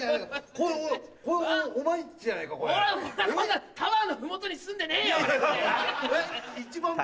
こんなタワーの麓に住んでねえよ！